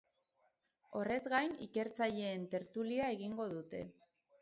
Horrez gain, ikertzaileen tertulia egingo dute.